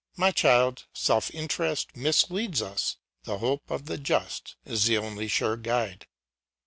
My child, self interest misleads us; the hope of the just is the only sure guide."